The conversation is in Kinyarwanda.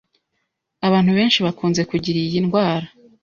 Abantu benshi bakunze kugira iyi ndwara